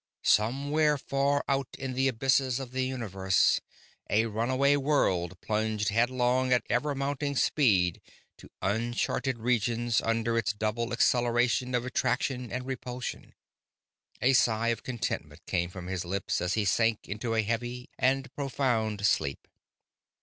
Somewhere far out in the abysses of the universe, a runaway world plunged headlong at ever mounting speed to uncharted regions under its double acceleration of attraction and repulsion. A sigh of contentment came from his lips as he sank into a heavy and profound sleep.